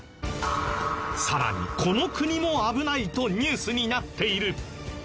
さらにこの国も危ないとニュースになっている。